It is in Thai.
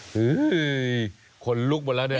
คือคนลุกหมดแล้วเนี่ย